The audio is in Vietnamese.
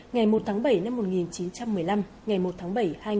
ngày một tháng bảy năm một nghìn chín trăm một mươi năm ngày một tháng bảy hai nghìn một mươi